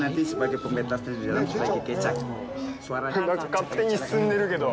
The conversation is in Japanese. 勝手に進んでるけど。